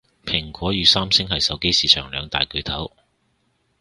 蘋果與三星係手機市場兩大巨頭